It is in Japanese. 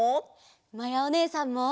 まやおねえさんも。